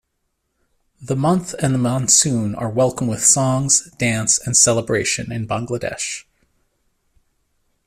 The month and the monsoon are welcome with songs, dance, and celebration in Bangladesh.